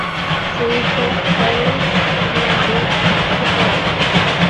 Su hijo, Carlyle Blackwell, Jr.